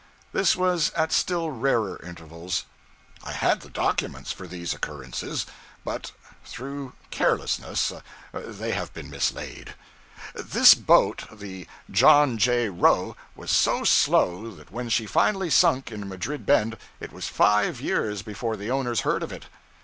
This was at still rarer intervals. I had the documents for these occurrences, but through carelessness they have been mislaid. This boat, the 'John J. Roe,' was so slow that when she finally sunk in Madrid Bend, it was five years before the owners heard of it.